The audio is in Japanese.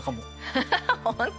ハハハ本当？